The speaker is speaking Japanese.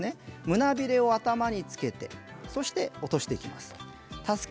胸びれを頭につけてそして落としていきます。